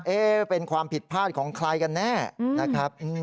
เป็นความผิดพลาดของใครกันแน่นะครับ